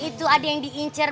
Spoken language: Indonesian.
itu ada yang diincer